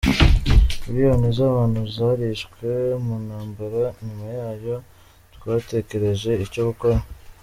Miliyoni z’abantu zarishwe mu ntambara, nyuma yayo, twatekereje icyo gukora.